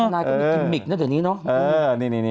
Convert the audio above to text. นายก็มีกินมิคดีนี้เนาะ